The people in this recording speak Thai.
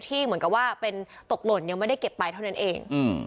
เหมือนกับว่าเป็นตกหล่นยังไม่ได้เก็บไปเท่านั้นเอง